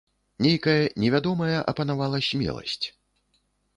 Нейкая невядомая апанавала смеласць.